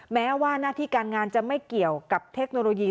แม้ว่าหน้าที่การงานจะไม่เกี่ยวกับเทคโนโลยี